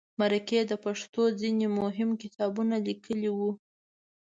مرکې د پښتو ځینې مهم کتابونه لیکلي وو.